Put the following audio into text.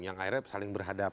yang akhirnya saling berhati hati